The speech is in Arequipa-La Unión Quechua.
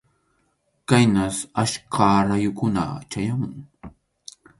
Khaynas achka rayukuna chayamun.